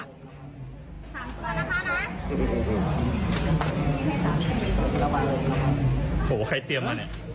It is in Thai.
โอ้โฮใครเตรียมมาเนี่ย